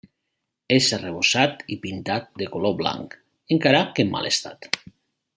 És arrebossat i pintat de color blanc, encara que en mal estat.